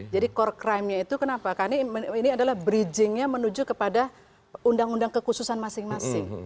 jadi core crime nya itu kenapa karena ini adalah bridging nya menuju kepada undang undang kekhususan masing masing